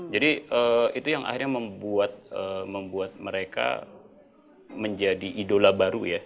jadi itu yang akhirnya membuat mereka menjadi idola baru ya